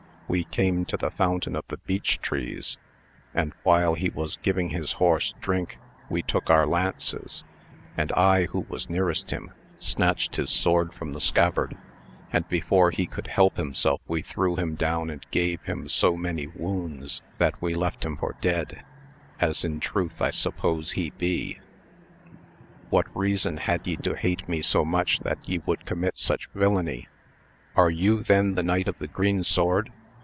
We came to the Fountain of the Beech Trees, and while he was giving his horse drink we took our lances, and r f I I \ I I AMADIS OF GAUL 313 I, who was nearest him, snatched his sword from the scabbard, and before he could help himself we threw him down and gave him. so many wounds that we left him for dead, as in truth I suppose he be. What reason had ye to hate me so much that ye would commit such villainy? — ^Are youthen the Knight of the Green Sword